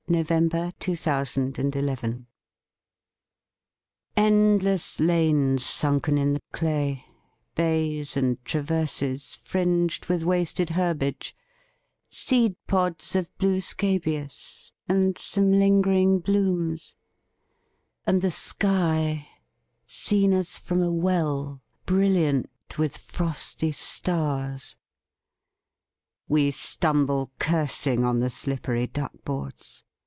Frederic Manning THE TRENCHES ENDLESS lanes sunken in the clay, Bays, and traverses, fringed with wasted herbage, Seed pods of blue scabious, and some lingering blooms ; And the sky, seen as from a well, Brilliant with frosty stars. We stumble, cursing, on the slippery duck boards.